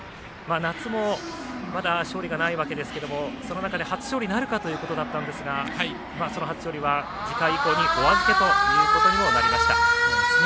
夏もまだ勝利がないわけですけれどもその中で初勝利なるかというところだったんですがその初勝利は次回以降におあずけということにもなりました。